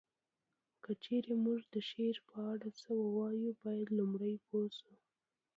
که چیري مونږ د شعر په اړه څه ووایو باید لومړی پوه شو